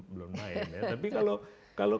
belum main tapi kalau